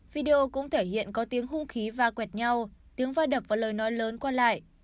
video cũng thể hiện có tiếng hung khí va quẹt nhau tiếng vai đập và lời nói lớn qua lại